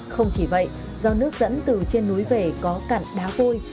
không chỉ vậy do nước dẫn từ trên núi về có cặn đá vôi